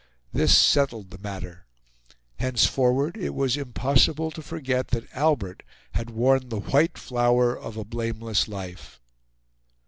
This settled the matter. Henceforward it was impossible to forget that Albert had worn the white flower of a blameless life.